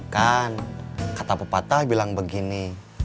kan kata pepatah bilang begini